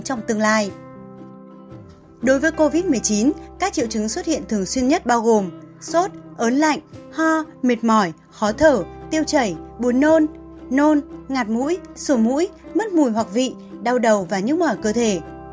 trong tương lai đối với covid một mươi chín các triệu chứng xuất hiện thường xuyên nhất bao gồm sốt ớn lạnh ho mệt mỏi khó thở tiêu chảy buồn nôn nôn ngạt mũi sổ mũi mất mùi hoặc vị đau đầu và nhúc mở cơ thể